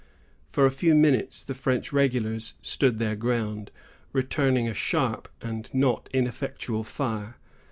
For a few minutes, the French regulars stood their ground, returning a sharp and not ineffectual fire.